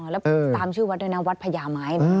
แล้วตามชื่อวัดด้วยนะวัดพญาไม้